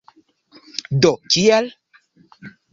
Do kiel?